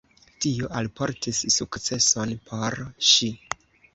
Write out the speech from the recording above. Tio alportis sukceson por ŝi.